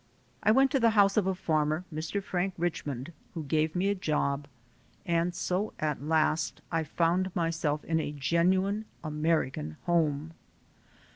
I went to the house of a farmer, Mr. Frank Richmond, who gave me a job, and so at last I found myself in a genuine American home.